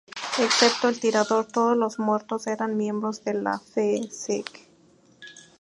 Excepto el tirador todos los muertos eran miembros de la fe Sij.